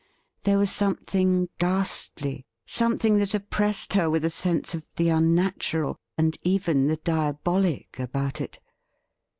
There was something ghastly, something that oppressed her with a sense of the unnatural, and even the diabolic, about it.